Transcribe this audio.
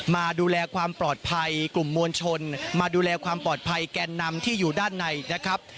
มาดูแลความปลอดภัยกลุ่มมวลชนมาดูแลความปลอดภัยแกนนำที่อยู่ด้านในนะครับ